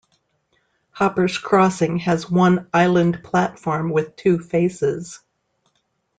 Hoppers Crossing has one island platform with two faces.